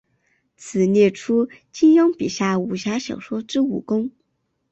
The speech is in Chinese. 此列出金庸笔下武侠小说之武功。